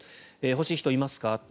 欲しい人いますか？と。